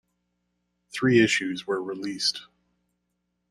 Three issues were released.